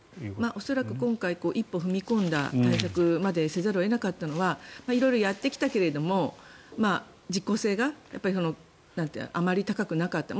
恐らく今回一歩踏み込んだ対策までせざるを得なくなったのは色々やってきたけれど実効性があまり高くなかった。